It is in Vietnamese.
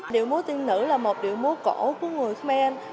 điệu múa tiên nữ là một điệu múa cổ của người khmer